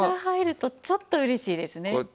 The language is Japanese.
エビが入るとちょっと嬉しいですね。